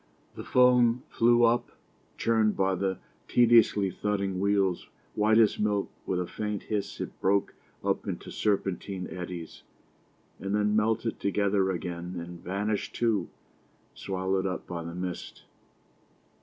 The foam flew up, churned by the tediously thudding wheels ; white as milk, with a faint hiss it broke up into serpentine eddies, and then melted together again and vanished too, swallowed up by the mist.